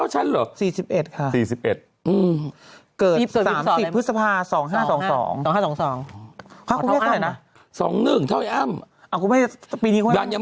ฉันหรอ๔๑๔๑เกิด๑๓๐พฤษภา๒๕๒๒๒๒๒๒เท่าไหนน่ะ๒๑ท้ายอัมยัง